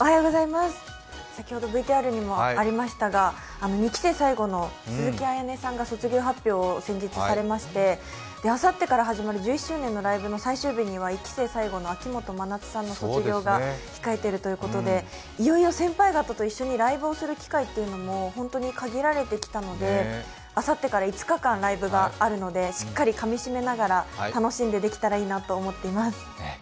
先ほどＶＴＲにもありましたが２期生最後の鈴木さんが卒業発表を先日されまして、あさってから始まる１１周年のライブの最終日には１期生最後の秋元真夏さんの卒業が控えているということで先輩たちと一緒にやるライブをする機会も本当に限られてきたのであさってから５日間、ライブがあるのでしっかりかみしめながら楽しんでできたらいいなと思っています。